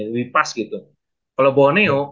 lebih pas gitu kalau buwoneo